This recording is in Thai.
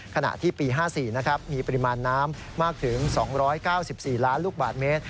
ขณะที่ปี๕๔มีปริมาณน้ำมากถึง๒๙๔ล้านลูกบาทเมตร